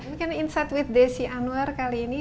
demikian insight with desi anwar kali ini